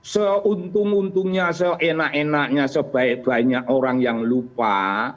seuntung untungnya seenak enaknya sebaik baiknya orang yang lupa